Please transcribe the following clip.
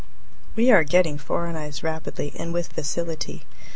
We are getting foreignized rapidly and with facility.